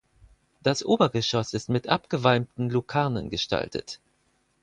Das Obergeschoss ist mit abgewalmten Lukarnen gestaltet.